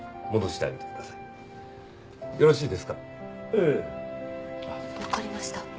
ええ。わかりました。